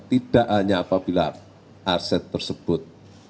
tidak hanya apabila aset tersebut